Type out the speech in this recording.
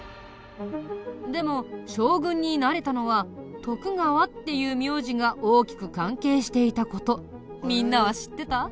でも将軍になれたのは「徳川」っていう名字が大きく関係していた事みんなは知ってた？